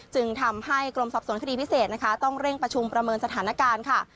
จึงทำให้กรมสอบสวนคดีพิเศษนะคะต้องเร่งประชุมประเมินสถานการณ์ค่ะ